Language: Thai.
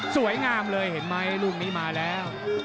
สวยงามเลยเห็นไหมลูกนี้มาแล้ว